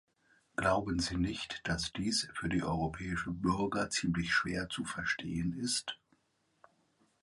Glauben Sie nicht, dass dies für die europäischen Bürger ziemlich schwer zu verstehen ist?